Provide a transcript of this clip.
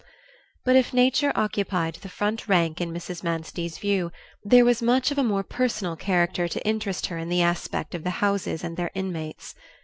But if nature occupied the front rank in Mrs. Manstey's view, there was much of a more personal character to interest her in the aspect of the houses and their inmates.